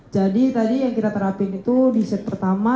jadi tadi yang kita terapin itu di set pertama